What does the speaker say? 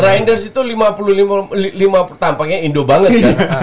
reinders itu lima puluh lima tampaknya indo banget kan